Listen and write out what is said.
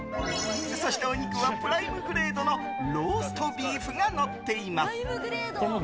そしてお肉はプライムグレードのローストビーフがのっています。